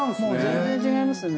全然違いますね。